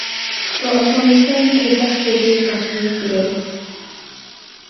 په افغانستان کې دښتې ډېر اهمیت لري.